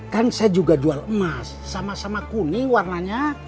kan saya juga jual emas sama sama kuning warnanya